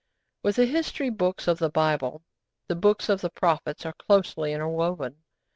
With the History Books of the Bible, the Books of the Prophets are closely interwoven.